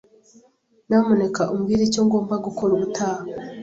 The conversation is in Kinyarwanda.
Nyamuneka umbwire icyo ngomba gukora ubutaha?